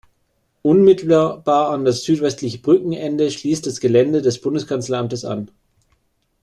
Unmittelbar an das südwestliche Brückenende schließt das Gelände des Bundeskanzleramtes an.